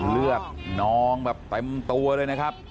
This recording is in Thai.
เลือดนองแบบเต็มตัวเลยนะครับ